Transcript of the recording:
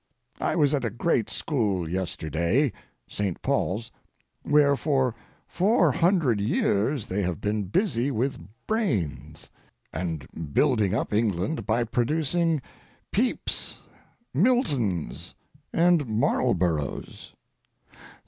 I was at a great school yesterday (St. Paul's), where for four hundred years they have been busy with brains, and building up England by producing Pepys, Miltons, and Marlboroughs.